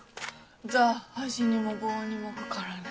ザ・箸にも棒にもかからない。